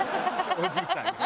おじいさん